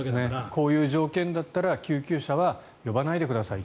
こういう条件だったら救急車は呼ばないでください